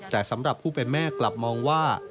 แต่สำหรับผู้เป็นแม่กลับมองว่า